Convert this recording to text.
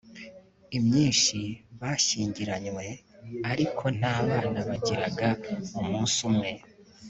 imyinshi bashyingiranywe ariko nta bana bagiraga umunsi umwe